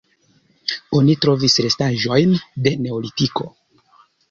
Oni trovis restaĵojn de neolitiko.